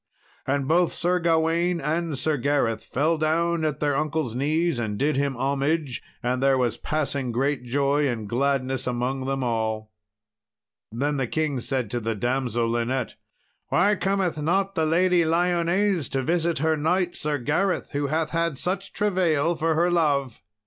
And both Sir Gawain and Sir Gareth fell down at their uncle's knees and did him homage, and there was passing great joy and gladness among them all. Then said the king to the damsel Linet, "Why cometh not the Lady Lyones to visit her knight, Sir Gareth, who hath had such travail for her love?"